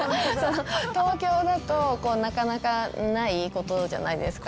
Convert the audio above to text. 東京だと、なかなかないことじゃないですか。